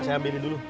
saya ambilin dulu